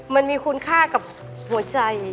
มันมีคุณค่ากับหัวใจ